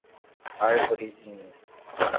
Arvorezinha